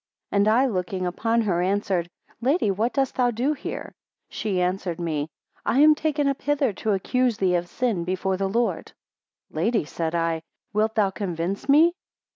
and I looking upon her, answered, Lady, what dost thou do here? She answered me, I am taken up hither to accuse thee of sin before the Lord. 6 Lady, said I, wilt thou convince me?